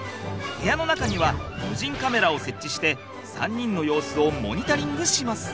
部屋の中には無人カメラを設置して３人の様子をモニタリングします。